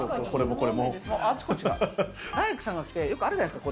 大工さんが来てあるじゃないですか。